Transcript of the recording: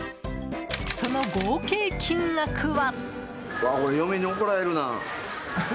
その合計金額は。